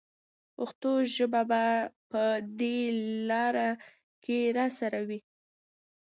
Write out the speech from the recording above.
پښتو ژبه به په دې لاره کې راسره وي.